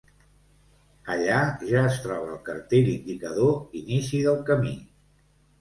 Allà ja es troba el cartell indicador inici del camí.